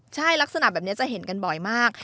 ใช่ลักษณะแบบนี้จะเห็นกันบ่อยมาก